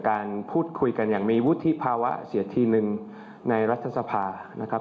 การพูดคุยกันอย่างมีวุฒิภาวะเสียทีหนึ่งในรัฐสภานะครับ